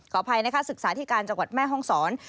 อภัยนะคะศึกษาที่การจังหวัดแม่ห้องศร